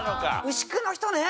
牛久の人ね。